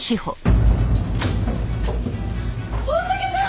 大竹さん！